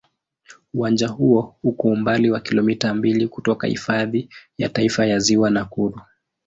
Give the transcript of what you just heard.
Uwanja huo uko umbali wa kilomita mbili kutoka Hifadhi ya Taifa ya Ziwa Nakuru.